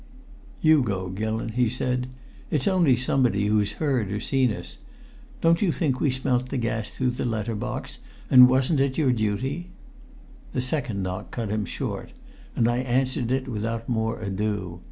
"You go, Gillon!" he said. "It's only somebody who's heard or seen us. Don't you think we smelt the gas through the letter box, and wasn't it your duty " The second knock cut him short, and I answered it without more ado.